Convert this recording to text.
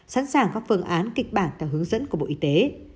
sẵn sàng các phương án kịch bản theo hướng dẫn của bộ y tế